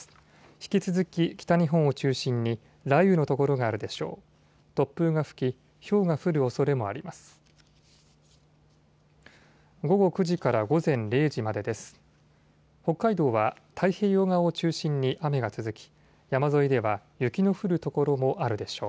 引き続き北日本を中心に雷雨の所があるでしょう。